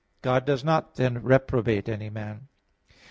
God does not, then, reprobate any man.